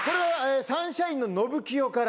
サンシャインののぶきよから。